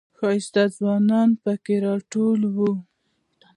ښایسته ځوانان پکې راټول و.